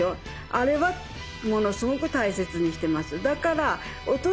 あれはものすごく大切にしてます。